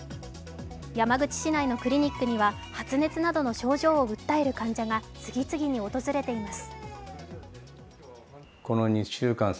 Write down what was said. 山口市内のクリニックには発熱などの症状を訴える患者が次々に訪れています。